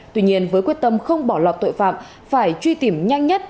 tuy nhiên với quyết tâm không bỏ lọt tội phạm phải truy tìm nhanh nhất